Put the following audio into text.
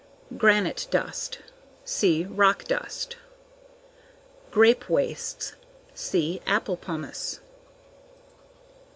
Granite dust. See Rock dust. Grape wastes. See _Apple pomace.